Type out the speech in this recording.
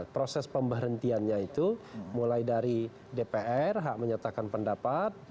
proses pemberhentiannya itu mulai dari dpr hak menyatakan pendapat